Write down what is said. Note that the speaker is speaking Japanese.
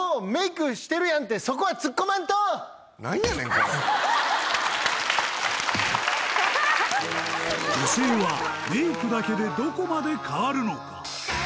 これ女性はメイクだけでどこまで変わるのか？